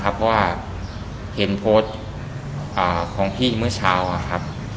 เพราะว่าเห็นโพสต์ของพี่เมื่อเช้าครับ